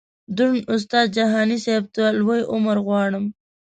دروند استاد جهاني صیب ته لوی عمر غواړم.